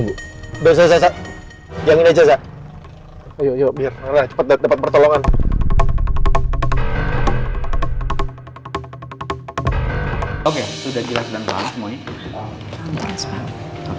hai dosa dosa jangan aja ya yuk biar cepet cepet pertolongan oke sudah jelas dan